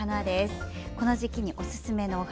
この時期におすすめの花